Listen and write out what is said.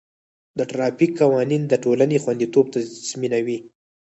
د ټرافیک قوانین د ټولنې خوندیتوب تضمینوي.